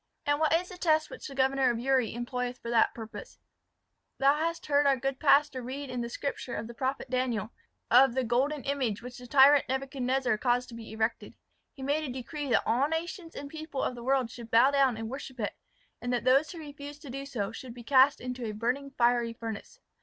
"And what is the test which the governor of Uri employeth for that purpose?" "Thou hast heard our good pastor read in the Scripture of the prophet Daniel, of the golden image, which the tyrant Nebuchadnezzar caused to be erected. He made a decree that all nations and people of the world should bow down and worship it, and that those who refused to do so should be cast into a burning fiery furnace.